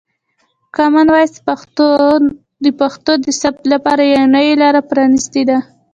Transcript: کامن وایس پښتو د پښتو د ثبت لپاره یوه نوې لاره پرانیستې ده.